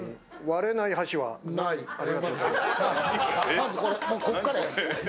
まず、ここからや。